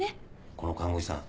この看護師さん